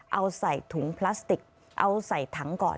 เอาใส่ถุงพลาสติกเอาใส่ถังก่อน